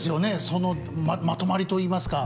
そのまとまりといいますか。